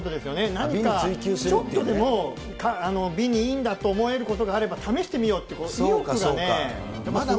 なんか、ちょっとでも美にいいんだと思えることがあれば試してみようって意欲がね、すごいですよ。